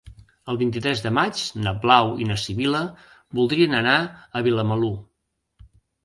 El vint-i-tres de maig na Blau i na Sibil·la voldrien anar a Vilamalur.